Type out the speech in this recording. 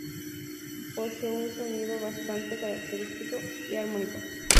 Posee un sonido bastante característico y armónico.